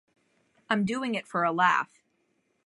I'm doing it for a laugh.